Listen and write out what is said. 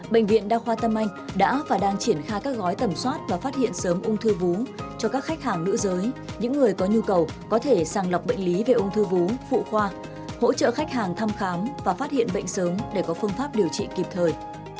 bệnh viện đa khoa tâm anh đã và đang triển khai các gói tẩm soát và phát hiện sớm ung thư vú cho các khách hàng nữ giới những người có nhu cầu có thể sàng lọc bệnh lý về ung thư vú phụ khoa hỗ trợ khách hàng thăm khám và phát hiện bệnh sớm để có phương pháp điều trị kịp thời